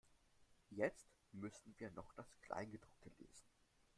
Jetzt müssen wir noch das Kleingedruckte lesen.